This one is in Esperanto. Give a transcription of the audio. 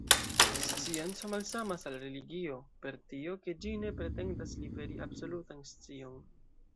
Scienco malsamas al religio, per tio, ke ĝi ne pretendas liveri absolutan scion.